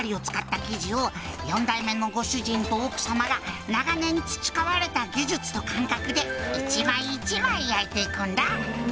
「を４代目のご主人と奥様が長年培われた技術と感覚で一枚一枚焼いて行くんだ」